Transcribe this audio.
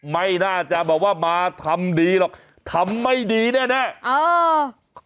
ไม่น่าจะแบบว่ามาทำดีหรอกทำไม่ดีแน่แน่เออ